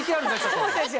そうですよ。